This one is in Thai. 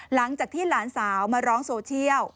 หลังจากที่หลานสาวมาร้องโซเชียล